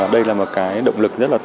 đây là một cái động lực rất là tốt